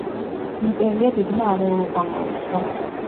იმპერია დიდმა არეულობამ მოიცვა.